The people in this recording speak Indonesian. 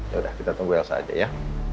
ya udah kita tunggu elsa aja ya